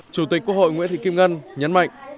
chủ tịch quốc hội nguyễn thị kim ngân nhấn mạnh